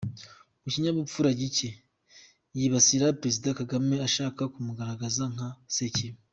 Mu kinyabupfura gike, yibasira `Perezida Kagame ashaka kumugaragaza nka sekibi.